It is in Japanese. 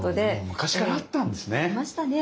昔からあったんですね。